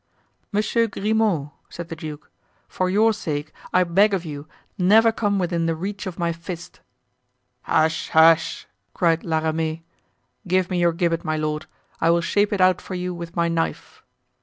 "Monsieur Grimaud!" said the duke, "for your sake I beg of you, never come within the reach of my fist!" "Hush! hush!" cried La Ramee, "give me your gibbet, my lord. I will shape it out for you with my knife."